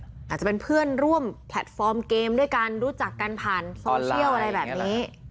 อาจจะเป็นเพื่อนร่วมแพลตฟอร์มเกมด้วยกันรู้จักกันผ่านโซเชียลอะไรแบบนี้